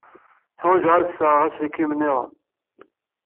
Ḥwajeɣ ad d-sɣeɣ aselkim niḍen.